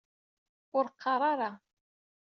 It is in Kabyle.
Ur qqar ara.